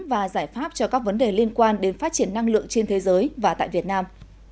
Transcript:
và giải pháp cho các vấn đề liên quan đến phát triển năng lượng trên thế giới và tại việt nam